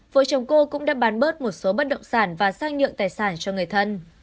vợ chồng cô cũng đã bán bớt một số bất động sản và sang nhượng tài sản cho người thân